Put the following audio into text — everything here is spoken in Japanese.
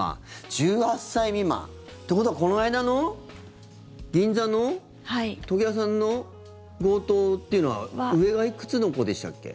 １８歳未満。ということは、この間の銀座の時計屋さんの強盗というのは上がいくつの子でしたっけ？